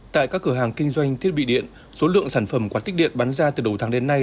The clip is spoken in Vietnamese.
tại các cửa hàng kinh doanh thiết bị điện số lượng sản phẩm quạt tích điện bán ra từ đầu tháng đến nay